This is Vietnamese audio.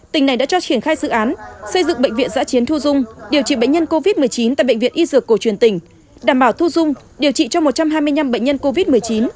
tỉnh này đã cho triển khai dự án xây dựng bệnh viện giã chiến thu dung điều trị bệnh nhân covid một mươi chín tại bệnh viện y dược cổ truyền tỉnh đảm bảo thu dung điều trị cho một trăm hai mươi năm bệnh nhân covid một mươi chín